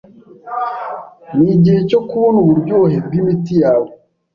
Nigihe cyo kubona uburyohe bwimiti yawe.